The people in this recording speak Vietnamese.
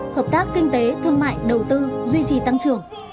hợp tác kinh tế thương mại đầu tư duy trì tăng trưởng